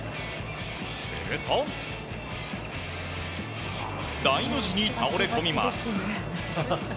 すると、大の字に倒れ込みます。